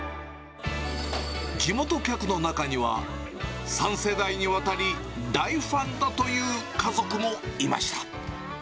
地元客の中には、３世代にわたり大ファンだという家族もいました。